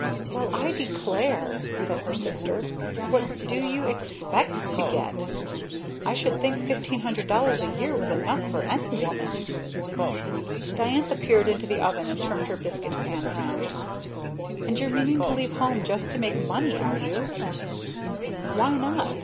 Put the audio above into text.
"Well, I declare!" said her sister. "What do you expect to get? I should think fifteen hundred dollars a year was enough for any woman!" Diantha peered into the oven and turned her biscuit pan around. "And you're meaning to leave home just to make money, are you?" "Why not?"